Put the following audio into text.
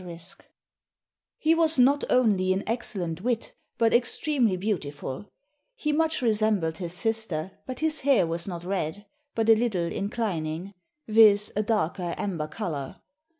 *] "He was not only an excellent witt, but extremely beautiful; he much resembled his sister but his haire was not red, but a little inclining; viz., a darke amber colour.